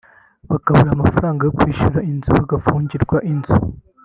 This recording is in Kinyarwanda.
bakabura amafaranga yo kwishura inzu bagafungirwa inzu